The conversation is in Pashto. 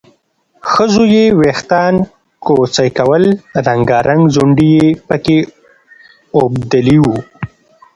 ښځو یې وېښتان کوڅۍ کول، رنګارنګ ځونډي یې پکې اوبدلي وو